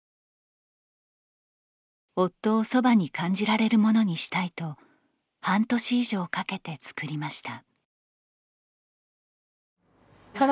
夫をそばに感じられるものにしたいと半年以上かけて作りました。